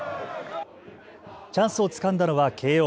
チャンスをつかんだのは慶応。